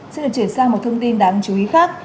xin được chuyển sang một thông tin đáng chú ý khác